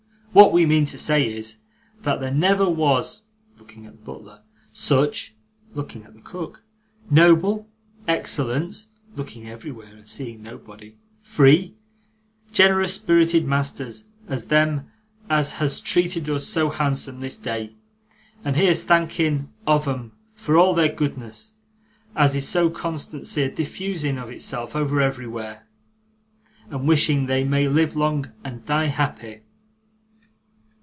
What we mean to say is, that there never was (looking at the butler) such (looking at the cook) noble excellent (looking everywhere and seeing nobody) free, generous spirited masters as them as has treated us so handsome this day. And here's thanking of 'em for all their goodness as is so constancy a diffusing of itself over everywhere, and wishing they may live long and die happy!